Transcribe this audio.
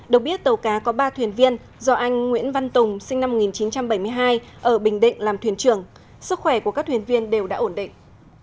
được biết tàu cá có ba thuyền viên do anh nguyễn văn tùng sinh năm một nghìn chín trăm bảy mươi hai ở bình định làm thuyền trưởng sức khỏe của các thuyền viên đều đã ổn định